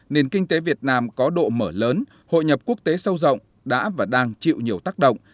nền kinh tế việt nam có độ mở lớn hội nhập quốc tế sâu rộng đã và đang chịu nhiều tác động